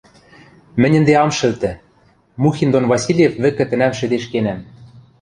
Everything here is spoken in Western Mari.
Мӹнь ӹнде ам шӹлтӹ: Мухин дон Васильев вӹкӹ тӹнӓм шӹдешкенӓм.